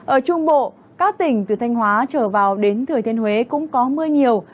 ở trung bộ các tỉnh từ thanh hóa trở vào đến thừa thiên huế cũng có mưa nhiều